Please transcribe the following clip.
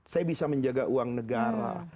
saya bisa menjaga uang negara